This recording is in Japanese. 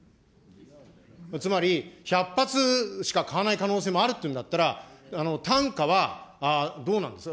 つまり、１００発しか買わない可能性もあるっていうんだったら、単価はどうなんですか。